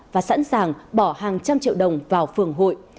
và sẵn sàng bỏ hàng trăm triệu đồng vào phường hội